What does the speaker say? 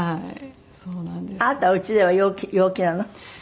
あなたうちでは陽気なの？